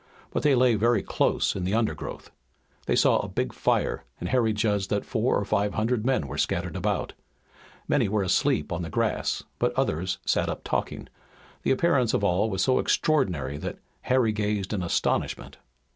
But they lay very close in the undergrowth. They saw a big fire and Harry judged that four or five hundred men were scattered about. Many were asleep on the grass, but others sat up talking. The appearance of all was so extraordinary that Harry gazed in astonishment.